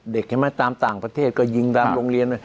เห็นไหมตามต่างประเทศก็ยิงตามโรงเรียน